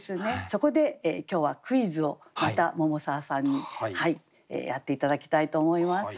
そこで今日はクイズをまた桃沢さんにやって頂きたいと思います。